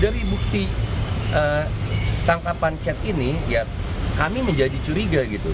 dari bukti tangkapan chat ini ya kami menjadi curiga gitu